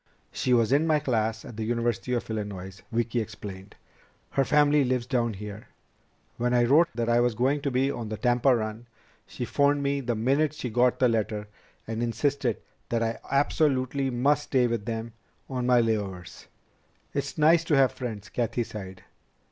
"She was in my class at the University of Illinois," Vicki explained. "Her family lives down here. When I wrote that I was going to be on the Tampa run, she phoned me the minute she got the letter and insisted that I absolutely must stay with them on my layovers." "It's nice to have friends," Cathy sighed.